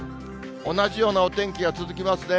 同じようなお天気が続きますね。